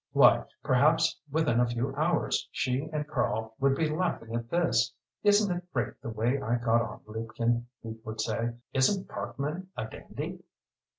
Why, perhaps within a few hours she and Karl would be laughing at this! "Isn't it great the way I got on, liebchen?" he would say. "Isn't Parkman a dandy?"